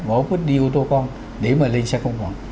bỏ bút đi ô tô con để mà lên xe công cộng